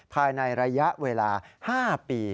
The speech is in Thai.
ภายในระยะเวลา๕ปี